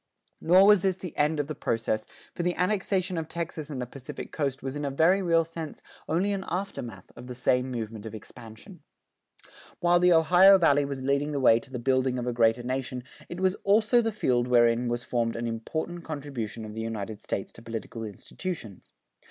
Nor was this the end of the process, for the annexation of Texas and the Pacific Coast was in a very real sense only an aftermath of the same movement of expansion. While the Ohio Valley was leading the way to the building of a greater nation, it was also the field wherein was formed an important contribution of the United States to political institutions.